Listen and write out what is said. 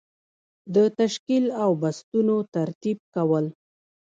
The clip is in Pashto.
د تشکیل او بستونو ترتیب کول.